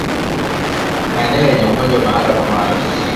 Maeneo yenye ugonjwa wa mara kwa mara